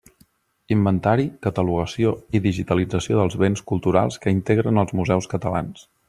Inventari, catalogació i digitalització dels béns culturals que integren els museus catalans.